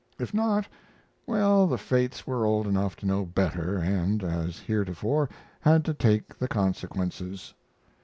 If not well, the fates were old enough to know better, and, as heretofore, had to take the consequences.